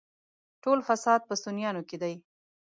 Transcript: ټول فساد په سنيانو کې دی.